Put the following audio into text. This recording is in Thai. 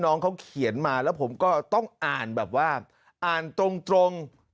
น้องเขาเขียนมาแล้วผมก็ต้องอ่านแบบว่าอ่านตรง